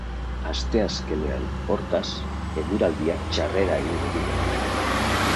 Asteazkenean, hortaz, eguraldiak txarrera egingo du berriro.